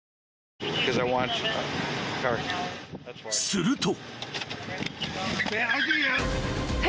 ［すると］